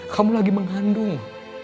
kamu lagi mengandung